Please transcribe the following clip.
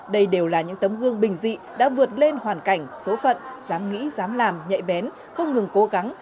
đây đều là những tấm gương bình dị đã vượt lên hoàn cảnh số phận dám nghĩ dám làm nhạy bén không ngừng cố gắng